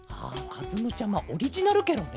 かずむちゃまオリジナルケロね。